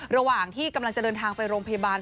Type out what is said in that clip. ระหว่างที่กำลังจะเดินทางไปโรงพยาบาล